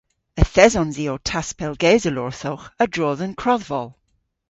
Yth esons i ow taspellgewsel orthowgh a-dro dhe'n krodhvol.